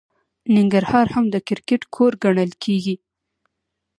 ننګرهار هم د کرکټ کور ګڼل کیږي.